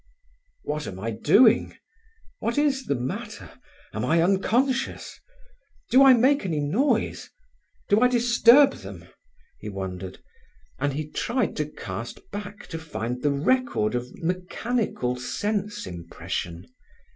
"What am I doing? What is the matter? Am I unconscious? Do I make any noise? Do I disturb them?" he wondered, and he tried to cast back to find the record of mechanical sense impression.